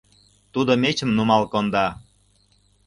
Тудо мечым нумал конда.